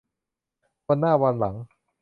วันหน้าวันหลัง